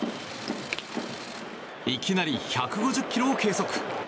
いきなり１５０キロを計測。